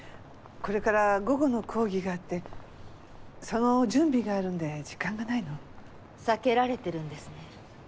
これから午後の講義があってその準備があるので時間がないの。避けられてるんですね。